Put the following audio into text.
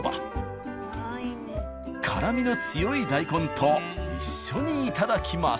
辛味の強い大根と一緒にいただきます。